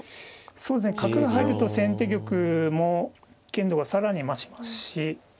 そうですね角が入ると先手玉も危険度が更に増しますし。